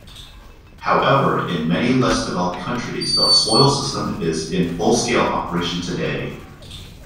However, in many less developed countries, the spoils system is in full-scale operation today.